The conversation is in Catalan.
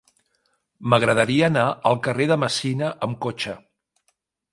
M'agradaria anar al carrer de Messina amb cotxe.